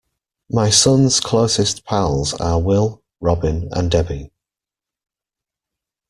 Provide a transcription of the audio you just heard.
My son's closest pals are Will, Robin and Debbie.